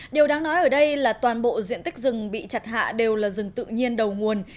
điều đáng nói ở đây là toàn bộ diện tích rừng bị chặt hạ đều là rừng tự nhiên đầu nguồn